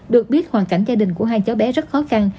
được biết hoàn cảnh gia đình của hai cháu bé rất khó khăn